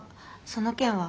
その件は。